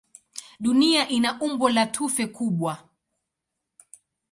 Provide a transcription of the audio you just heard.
Dunia ina umbo la tufe kubwa.